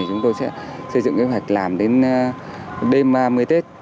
chúng tôi sẽ xây dựng kế hoạch làm đến đêm một mươi tết